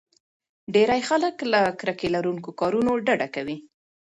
ډېری خلک له کرکې لرونکو کارونو ډډه کوي.